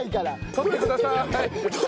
「取ってください」。